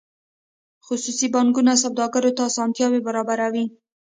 خصوصي بانکونه سوداګرو ته اسانتیاوې برابروي